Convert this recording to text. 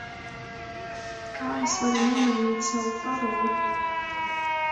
Kā es varu nomainīt savu paroli?